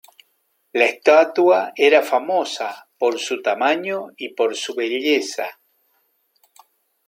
La estatua era famosa por su tamaño y por su belleza.